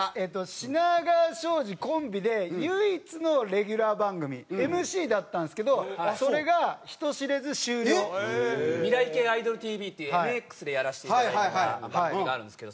品川庄司コンビで唯一のレギュラー番組ＭＣだったんですけどそれが人知れず終了。っていうＭＸでやらせていただいてた番組があるんですけど。